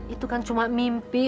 itu kan cuma mimpi